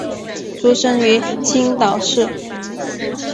出生于青岛市。